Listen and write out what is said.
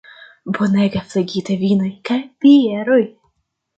Bonega flegitaj vinoj kaj bieroj.